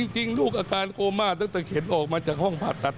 จริงลูกอาการโคม่าตั้งแต่เข็นออกมาจากห้องผ่าตัด